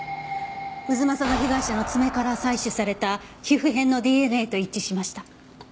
太秦の被害者の爪から採取された皮膚片のＤＮＡと一致しました。